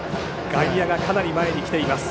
外野がかなり前に来ています。